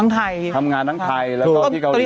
ทำงานทั้งไทยแล้วก็ที่เกาหลี